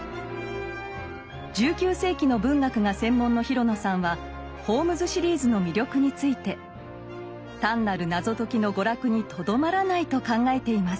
１９世紀の文学が専門の廣野さんはホームズ・シリーズの魅力について単なる謎解きの娯楽にとどまらないと考えています。